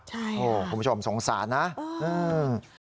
ใช่ค่ะคุณผู้ชมสงสารนะอืมอืม